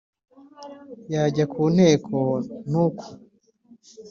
yajya ku nteko ntuku